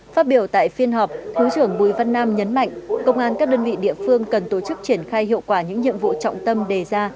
phát biểu tại phiên họp thứ trưởng bùi văn nam nhấn mạnh công an các đơn vị địa phương cần tổ chức triển khai hiệu quả những nhiệm vụ trọng tâm đề ra